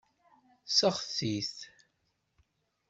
Seɣti-t.